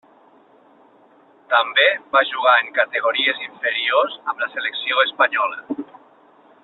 També va jugar en categories inferiors amb la selecció espanyola.